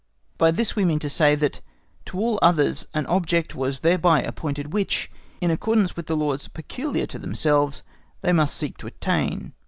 By this we meant to say that to all others an object was thereby appointed which, in accordance with the laws peculiar to themselves, they must seek to attain.